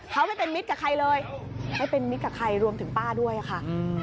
เขาไม่เป็นมิตรกับใครเลยไม่เป็นมิตรกับใครรวมถึงป้าด้วยค่ะ